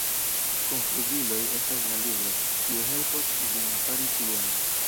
Konfuziloj estas la libro, kiu helpos vin fari tion.